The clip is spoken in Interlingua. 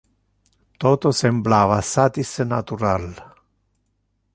Toto semblava assatis natural.